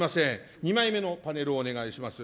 ２枚目のパネルをお願いします。